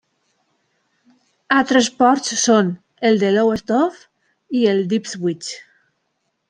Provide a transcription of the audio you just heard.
Altres ports són: el de Lowestoft, i el d'Ipswich.